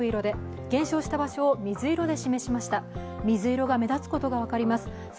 水色が目立つことが分かります